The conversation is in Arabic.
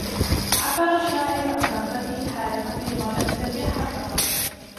عبّر الشاعر عن رغبته الحارقة للمرأة التي أحبها.